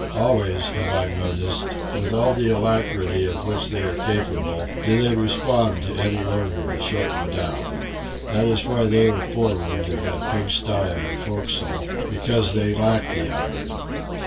Always, have I noticed, with all the alacrity of which they are capable, do they respond to any order to shorten down. That is why they are for'ard, in that pigsty of a forecastle, because they lack the iron.